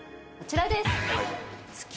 こちらです。